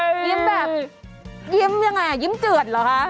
ยิ้มแบบยิ้มยังไงยิ้มเจือดเหรอคะ